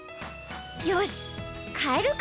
よしかえるか。